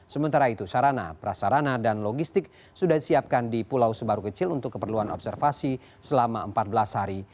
sementara itu sarana prasarana dan logistik sudah disiapkan di pulau sebaru kecil untuk keperluan observasi selama empat belas hari